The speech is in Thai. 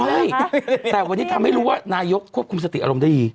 ใช่แต่วันนี้ทำให้รู้ว่านายกควบคุมสติอารมณ์ได้ดี